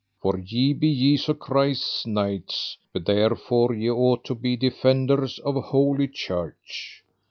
For ye be Jesu Christ's knights, therefore ye ought to be defenders of Holy Church.